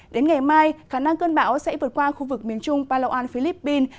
đến ngày mai khả năng cơn bão sẽ vượt qua khu vực miền trung palawan philippines